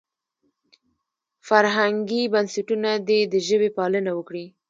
فرهنګي بنسټونه دې د ژبې پالنه وکړي.